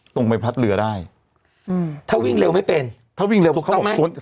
ตรงใบพัดเรือได้อืมถ้าวิ่งเร็วไม่เป็นถ้าวิ่งเร็วเขาบอกถูกต้องไหม